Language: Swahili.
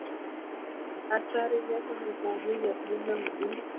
Wa askari weko ni kwa ajili ya kulinda mugini